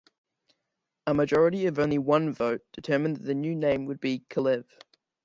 A majority of only one vote determined that the new name would be "Kalev".